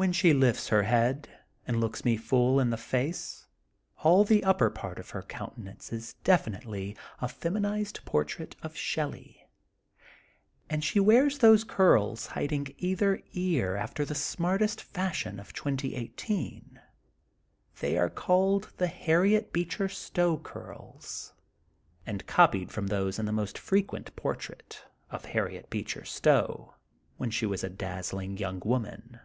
When she lifts her head, and looks me full in the face all the upper part of her countenance is definitely a feminized portrait of Shelley, and she wears those curls hiding either ear 72 THE GOLDEN BOOK OF SPRINGFIELD after the smartest fashion of 2018. They are called the Harriet Beecher Stowe carls, and copied from those in the most frequent por trait of Harriet Beecher Stowe, when she wias a dazzling young woman.